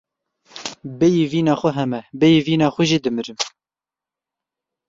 Bêyî vîna xwe heme, bêyî vîna xwe jî dimirim.